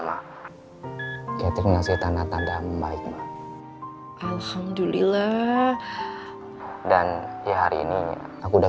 maksiatir ngasih tanda tanda membaik alhamdulillah dan ya hari ini aku udah